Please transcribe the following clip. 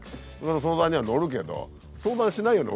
相談には乗るけど相談しないよね